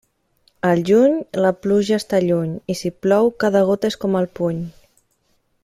Al juny, la pluja està lluny, i si plou, cada gota és com el puny.